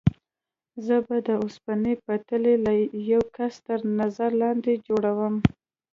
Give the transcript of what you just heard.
زه به د اوسپنې پټلۍ د یوه کس تر نظر لاندې جوړوم.